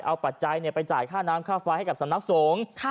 เอาปัจจัยไปจ่ายค่าน้ำค่าไฟให้กับสำนักสงฆ์